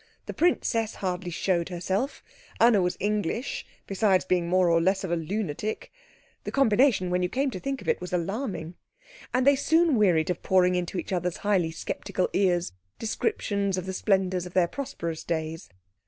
The princess hardly showed herself; Anna was English, besides being more or less of a lunatic the combination, when you came to think of it, was alarming, and they soon wearied of pouring into each other's highly sceptical ears descriptions of the splendours of their prosperous days.